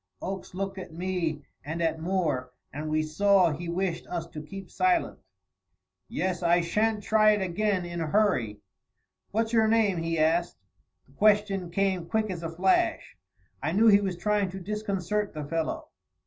Oakes looked at me and at Moore, and we saw he wished us to keep silent. "Yes! I shan't try it again in a hurry. What's your name?" he asked. The question came quick as a flash. I knew he was trying to disconcert the fellow.